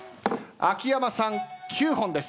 秋山さん９本です。